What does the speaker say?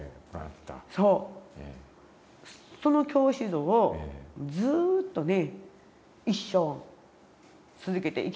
その教師像をずっとね一生続けていきたいと。